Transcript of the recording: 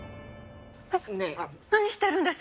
何してるんです！？